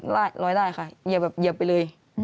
ร้อยได้ค่ะเหยียบไปเลย